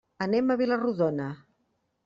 Anem a Vila-rodona.